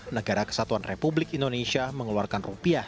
negara kesatuan republik indonesia mengeluarkan rupiah